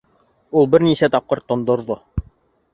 Ул бер нисә тапҡыр тондорҙо